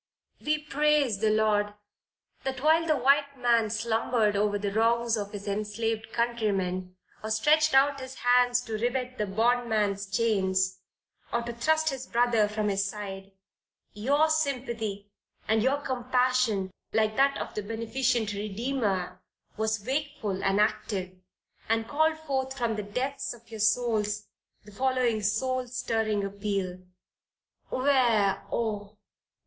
We praise the Lord, that while the white man slumbered over the wrongs of his enslaved countrymen, or stretched out his hands to rivet the bondman's chains, or to thrust his brother from his side, your sympathy and your compassion, like that of the beneficent Redeemer, was wakeful and active, and called forth from the depths of your souls the following soul stirring appeal. Where, oh!